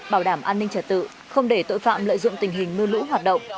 bảo đảm an ninh trật tự không để tội phạm lợi dụng tình hình mưa lũ hoạt động